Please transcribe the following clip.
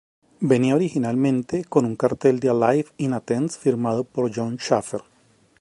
Venía originalmente con un cartel de Alive in Athens firmado por Jon Schaffer.